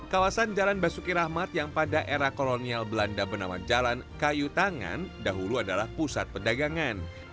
kawasan jalan basuki rahmat yang pada era kolonial belanda bernama jalan kayu tangan dahulu adalah pusat perdagangan